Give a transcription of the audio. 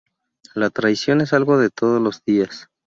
La traición es algo de todos los días.